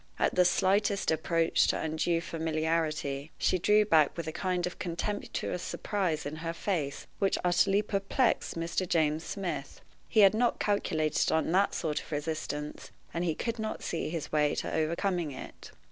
At the slightest approach to undue familiarity, she drew back with a kind of contemptuous surprise in her face, which utterly perplexed Mr. James Smith. He had not calculated on that sort of resistance, and he could not see his way to overcoming it.